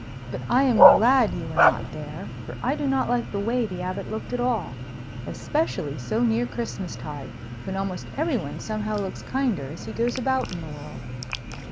But I am glad you were not there; for I do not like the way the Abbot looked at all, especially so near Christmas tide, when almost every one somehow looks kinder as he goes about in the world.